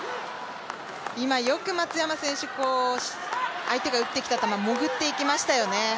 今よく松山選手、相手が打ってきた球もぐっていきましたよね。